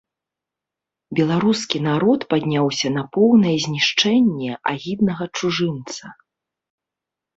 Беларускі народ падняўся на поўнае знішчэнне агіднага чужынца.